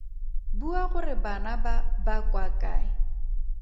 Bua gore bana ba ba kwa kae.